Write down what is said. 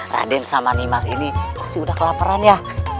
raden sama nimas ini pasti udah kelaparan ya